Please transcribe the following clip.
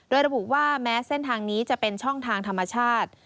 โดยระบุว่าแม้เส้นทางนี้จะเป็นช่องทางธรรมชาติ